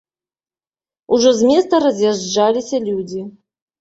Ужо з места раз'язджаліся людзі.